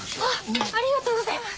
ありがとうございます。